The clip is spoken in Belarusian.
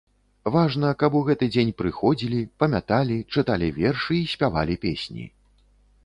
Важна, каб у гэты дзень прыходзілі, памяталі, чыталі вершы і спявалі песні.